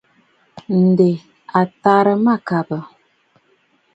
Ǹdè à tàrə mâkàbə̀.